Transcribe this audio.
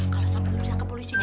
kalau sampai lo diangkat polisi